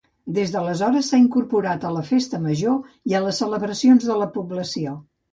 Des d'aleshores s'ha incorporat a la Festa Major i a les celebracions de la població.